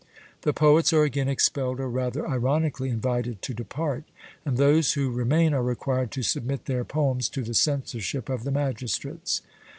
The poets are again expelled or rather ironically invited to depart; and those who remain are required to submit their poems to the censorship of the magistrates.